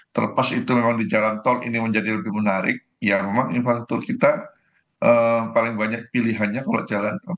terlepas itu memang di jalan tol ini menjadi lebih menarik ya memang infrastruktur kita paling banyak pilihannya kalau jalan tol